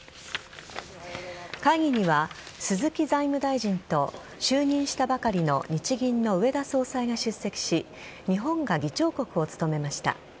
会議には鈴木財務大臣と就任したばかりの日銀の植田総裁が出席し日本が議長国を務めました。